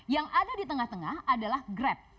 yang ada di tengah tengah adalah grab